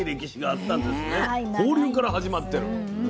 放流から始まってる。